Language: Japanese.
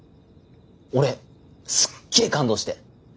俺すっげえ感動して。